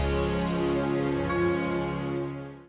kamu ya pak